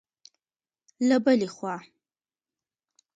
له بلې خوا